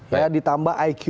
ya ditambah iq